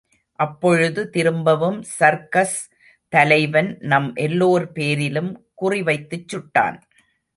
அப்பொழுது திரும்பவும் சர்க்கஸ் தலைவன் நம் எல்லோர் பேரிலும் குறி வைத்துச் சுட்டான்.